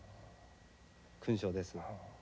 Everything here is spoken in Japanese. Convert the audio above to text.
勲章です。